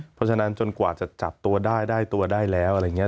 เพราะฉะนั้นจนกว่าจะจับตัวได้ได้ตัวได้แล้วอะไรอย่างนี้